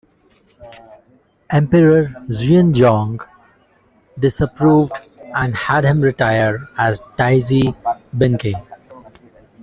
Emperor Xianzong disapproved and had him retire as "Taizi Binke".